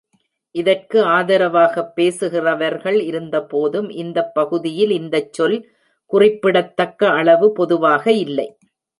இதற்கு ஆதரவாகப் பேசுகிறவர்கள் இருந்தபோதும், இந்தப் பகுதியில் இந்தச் சொல் குறிப்பிடத்தக்க அளவு பொதுவாக இல்லை.